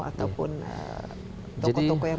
ataupun toko toko yang